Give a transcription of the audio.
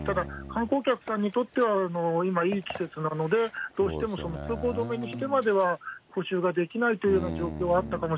観光客さんにとっては、今、いい季節なので、どうしても通行止めにしてまでは補修ができないというような状況